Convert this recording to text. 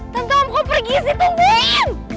tanda alam kok pergi sih tungguin